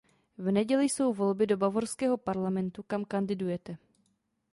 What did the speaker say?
V neděli jsou volby do bavorského parlamentu, kam kandidujete.